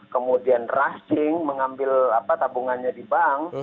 kemudian russing mengambil tabungannya di bank